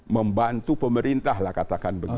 membantu pemerintah lah katakan begitu